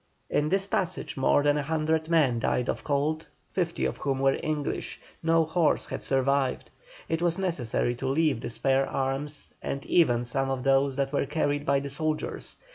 In this passage more than a hundred men died of cold, fifty of whom were English; no horse had survived. It was necessary to leave the spare arms, and even some of those that were carried by the soldiers.